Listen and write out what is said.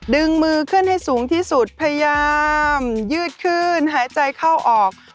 ดึงมือขึ้นให้สูงที่สุดพยายามยืดขึ้นหายใจเข้าออก